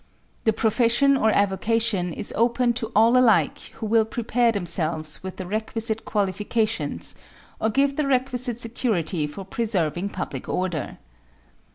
The profession or avocation is open to all alike who will prepare themselves with the requisite qualifications or give the requisite security for preserving public order.